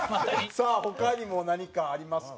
さあ他にも何かありますか？